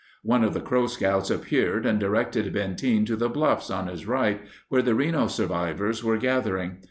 One of the Crow scouts appeared and directed Benteen to the bluffs on his right, where the Reno survivors were gathering.